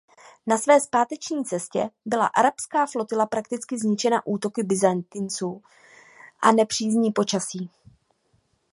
Na své zpáteční cestě byla arabská flotila prakticky zničena útoky Byzantinců a nepřízní počasí.